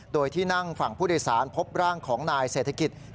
โดยที่นั่งฝั่งผู้โดยสารพบร่างของนายเศรษฐกิจ